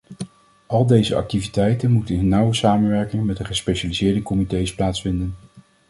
Al deze activiteiten moeten in nauwe samenwerking met de gespecialiseerde comités plaatsvinden.